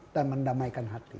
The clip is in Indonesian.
dan mendamaikan hati